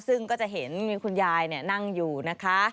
ซึ่งก็จะเห็นมีคุณยายนั่งอยู่นะคะ